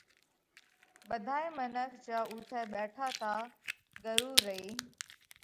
ٻڌائِي منک جيا اُوٿئہ ٻيٺا تا ڳرُو رئي